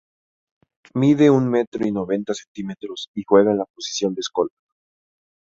Mide un metro y noventa centímetros y juega en la posición de escolta.